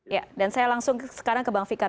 ya dan saya langsung sekarang ke bang fikar